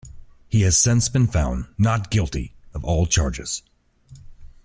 He has since been found not guilty of all charges.